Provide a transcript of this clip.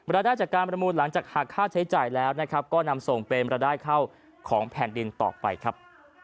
รายได้จากการประมูลหลังจากหากค่าใช้จ่ายแล้วนะครับก็นำส่งเป็นรายได้เข้าของแผ่นดินต่อไปครับ